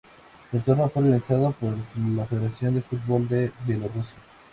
El torneo fue organizado por la Federación de Fútbol de Bielorrusia.